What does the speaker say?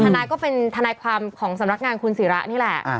ทนายก็เป็นทนายความของสำนักงานคุณศิระนี่แหละ